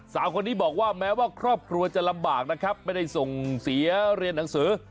สาวคนนี้บอกว่าแม้ว่าครอบครัวจะลำบากนะครับไม่ได้ส่งเสียเรียนหนังสือ